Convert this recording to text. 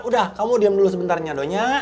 udah kamu diam dulu sebentarnya doy